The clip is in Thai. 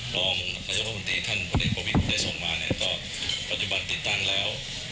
รองนายกรัฐมนตรีท่านพลเอกประวิทย์ได้ส่งมาเนี่ยก็ปัจจุบันติดตั้งแล้ว